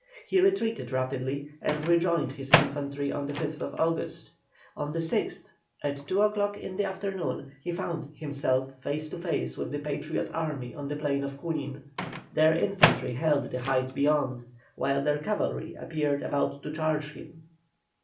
He retreated rapidly, and rejoined his infantry on the 5th August. On the 6th, at two o'clock in the afternoon, he found himself face to face with the Patriot army on the plain of Junin. Their infantry held the heights beyond, while their cavalry appeared about to charge him.